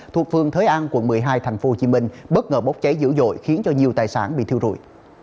thuộc phương thới an quận một mươi hai tp hcm bất ngờ bốc cháy dữ dội khiến cho nhiều tài sản bị thiêu rụi